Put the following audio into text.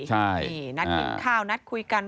ใช่นัดกินข้าวนัดคุยกัน